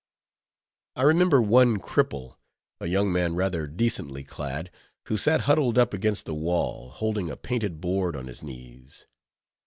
I remember one cripple, a young man rather decently clad, who sat huddled up against the wall, holding a painted board on his knees.